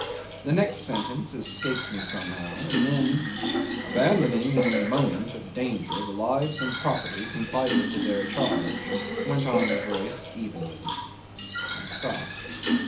The next sentence escaped me somehow, and then ... "abandoning in the moment of danger the lives and property confided to their charge" ... went on the voice evenly, and stopped.